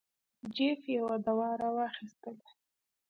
جیف یوه دوا را واخیستله.